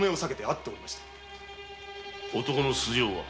男の素性は？